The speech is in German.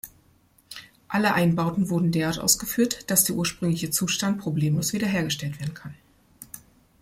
Alle Einbauten wurden derart ausgeführt, dass der ursprüngliche Zustand problemlos wiederhergestellt werden kann.